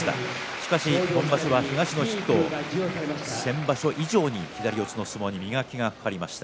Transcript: しかし今場所は東の筆頭先場所以上に左四つの相撲に磨きがかかりました。